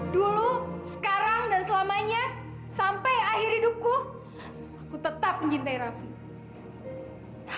dulu sekarang dan selamanya sampai akhir hidupku aku tetap mencintai raffi